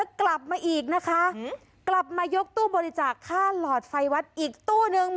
กลับมาอีกนะคะกลับมายกตู้บริจาคค่าหลอดไฟวัดอีกตู้นึง